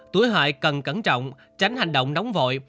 tuổi hợi cần cẩn trọng tránh hành động nóng vội